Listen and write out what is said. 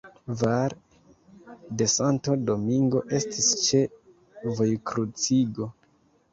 Val de Santo Domingo estis ĉe vojkruciĝo.